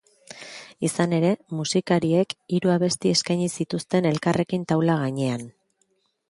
Izan ere, musikariek hiru abesti eskaini zituzten elkarrekin taula gainean.